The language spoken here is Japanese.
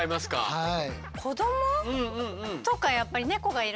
はい。